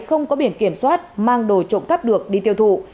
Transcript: không có biển kiểm soát mang đồ trộm cắp được đi tiêu thụ